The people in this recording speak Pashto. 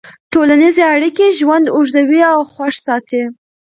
ټولنیزې اړیکې ژوند اوږدوي او خوښ ساتي.